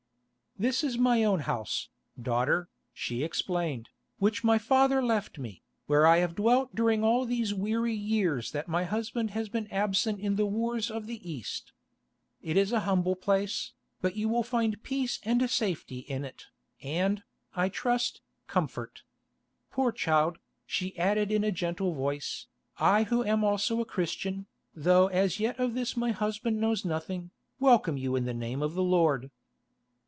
"This is my own house, daughter," she explained, "which my father left me, where I have dwelt during all these weary years that my husband has been absent in the wars of the East. It is a humble place, but you will find peace and safety in it, and, I trust, comfort. Poor child," she added in a gentle voice, "I who am also a Christian, though as yet of this my husband knows nothing, welcome you in the Name of the Lord."